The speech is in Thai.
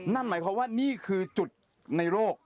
นั่นหมายความว่านี่คือจุดในโลก